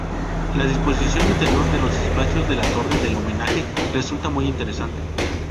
La disposición interior de los espacios, en la torre del homenaje, resulta muy interesante.